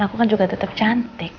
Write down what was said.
aku kan juga tetap cantik